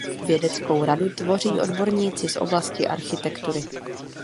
Vědeckou radu tvoří odborníci z oblasti architektury.